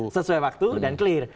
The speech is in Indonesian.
sesuai waktu dan clear